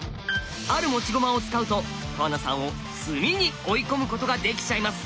ある持ち駒を使うと川名さんを詰みに追い込むことができちゃいます。